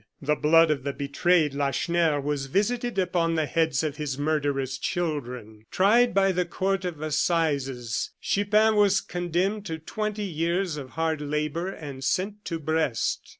The blood of the betrayed Lacheneur was visited upon the heads of his murderer's children. Tried by the Court of Assizes, Chupin was condemned to twenty years of hard labor, and sent to Brest.